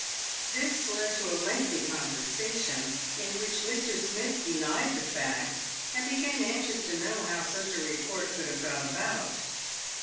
This led to a lengthy conversation, in which Mr. Smith de nied the fact, and became anxious to know how such a report could have got about.